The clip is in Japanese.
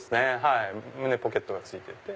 胸ポケットがついてて。